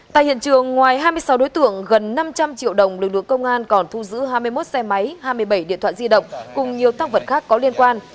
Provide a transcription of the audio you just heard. tại hiện trường ngoài hai mươi sáu đối tượng gần năm trăm linh triệu đồng lực lượng công an còn thu giữ hai mươi một xe máy hai mươi bảy điện thoại di động cùng nhiều tác vật khác có liên quan